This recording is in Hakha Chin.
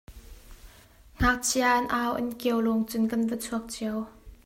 Ngakchia an au an kiao lawng cun kan va chuak cio.